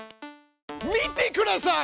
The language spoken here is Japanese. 見てください！